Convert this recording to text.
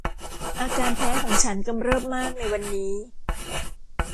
อาการแพ้ของฉันกำเริบมากในวันนี้